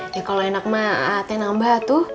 ya kalau enak mah ada yang nambah atuh